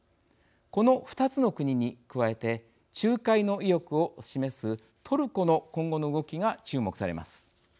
この２つの国に加えて仲介の意欲を示すトルコの今後の動きが注目されます。